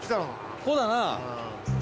こうだな。